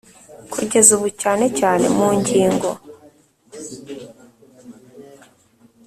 kugeza ubu cyane cyane mu ngingo